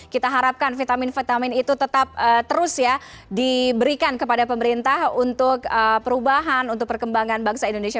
kita harapkan vitamin vitamin itu tetap terus ya diberikan kepada pemerintah untuk perubahan untuk perkembangan bangsa indonesia